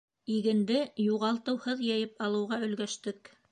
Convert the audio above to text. Игенде юғалтыуһыҙ йыйып алыуға өлгәштек.